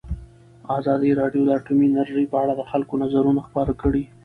ازادي راډیو د اټومي انرژي په اړه د خلکو نظرونه خپاره کړي.